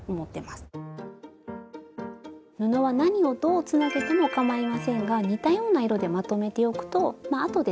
スタジオ布は何をどうつなげてもかまいませんが似たような色でまとめておくとあとで使いやすいですね。